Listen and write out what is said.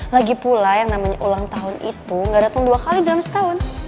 lagipula yang namanya ulang tahun itu nggak dateng dua kali dalam setahun